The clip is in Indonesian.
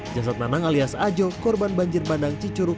jasad nanang alias ajo korban banjir bandang cicuruk